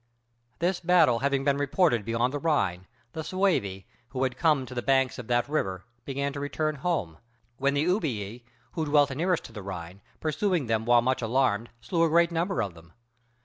This battle having been reported beyond the Rhine, the Suevi, who had come to the banks of that river, began to return home; when the Ubii, who dwelt nearest to the Rhine, pursuing them while much alarmed, slew a great number of them.